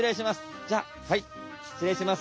じゃあはい失礼します。